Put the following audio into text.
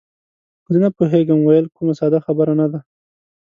زه نه پوهېږم ویل، کومه ساده خبره نه ده.